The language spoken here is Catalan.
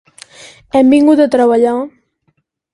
Hem vingut a treballar?